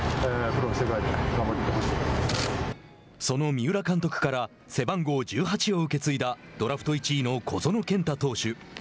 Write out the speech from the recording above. その三浦監督から背番号１８を受け継いだドラフト１位の小園健太投手。